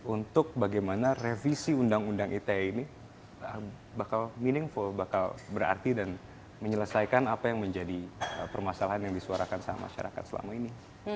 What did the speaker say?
untuk bagaimana revisi undang undang ite ini bakal meaningful bakal berarti dan menyelesaikan apa yang menjadi permasalahan yang disuarakan sama masyarakat selama ini